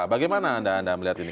bagaimana anda melihat ini